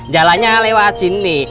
jalannya lewat sini